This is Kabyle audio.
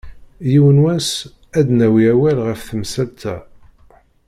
Yiwen n wass, ad d-nawi awal ɣef temsalt-a.